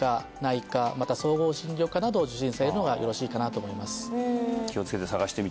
内科？ですねなどを受診されるのがよろしいかなと思います